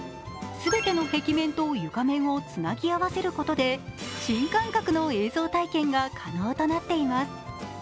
全ての壁面と床面をつなぎ合わせることで新感覚の映像体験が可能となっています。